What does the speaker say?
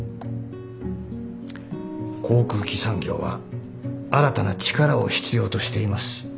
航空機産業は新たな力を必要としています。